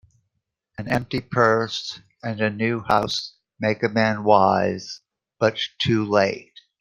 An empty purse, and a new house, make a man wise, but too late.